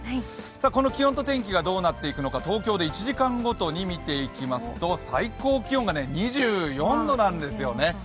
この気温と天気がどうなっていくのか東京で１時間ごとに見ていきますと、最高気温が２４度なんですよね。